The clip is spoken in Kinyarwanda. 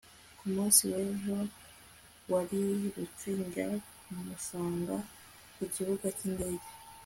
ku munsi w'ejo, narirutse njya kumusanga ku kibuga cy'indege